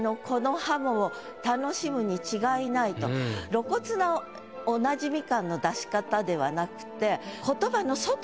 露骨なおなじみ感の出し方ではなくて。